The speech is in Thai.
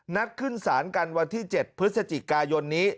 นัดขึ้นสารกันวันที่๗พฤศจิกายน